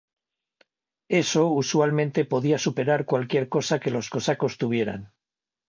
Eso usualmente podía superar cualquier cosa que los cosacos tuvieran.